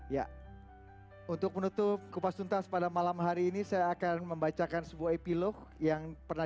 ya untuk menutup kupas tuntas pada malam hari ini saya akan membacakan sebuah epilog yang pernah